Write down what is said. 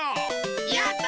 やった！